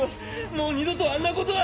もう二度とあんなことは。